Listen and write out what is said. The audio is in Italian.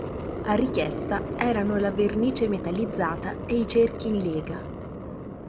A richiesta erano la vernice metallizzata e i cerchi in lega.